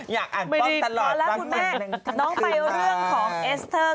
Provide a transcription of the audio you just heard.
อยากอ่านต้องตลอด